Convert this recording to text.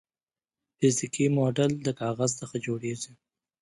فزیکي موډل د کاغذ څخه جوړیږي.